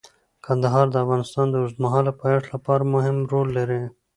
کندهار د افغانستان د اوږدمهاله پایښت لپاره مهم رول لري.